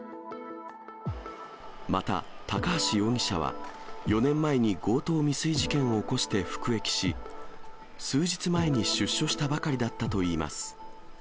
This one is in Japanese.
また、高橋容疑者は、４年前に強盗未遂事件を起こして服役し、数日前に出所したばかりだったといいます。